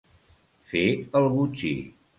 Fer el botxí.